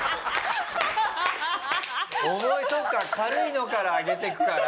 重いそっか軽いのから上げていくから。